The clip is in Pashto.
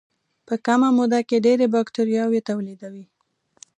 په کمه موده کې ډېرې باکتریاوې تولیدوي.